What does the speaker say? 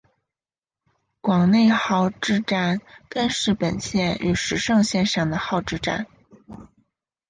广内号志站根室本线与石胜线上的号志站。